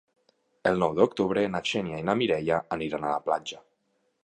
El nou d'octubre na Xènia i na Mireia aniran a la platja.